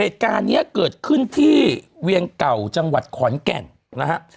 เหตุการณ์นี้เกิดขึ้นที่เวียงเก่าจังหวัดขอนแก่นนะฮะ